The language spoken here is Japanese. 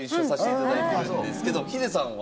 ヒデさんは？